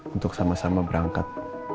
untuk sama sama berangkat